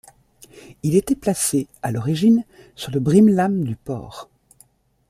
Il était placé, à l'origine, sur le brime-lames du port.